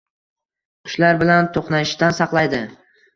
Qushlar bilan to'qnashishdan saqlaydi